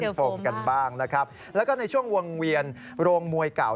หนูอยากเจอโฟมมากนะครับแล้วก็ในช่วงวงเวียนโรงมวยเก่า